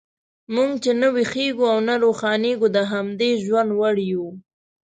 موږ چې نه ویښیږو او نه روښانیږو، د همدې ژوند وړ یو.